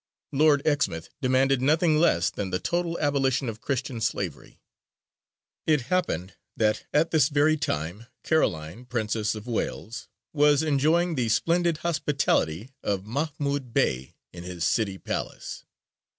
Lord Exmouth demanded nothing less than the total abolition of Christian slavery. "It happened that at this very time Caroline, Princess of Wales, was enjoying the splendid hospitality of Mahmūd Bey in his city palace.